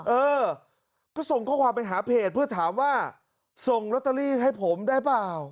เออก็ส่งข้อความไปหาเพจเพื่อถามว่าส่งลอตเตอรี่ให้ผมได้เปล่า